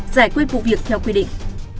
giải quyết vụ việc theo quy định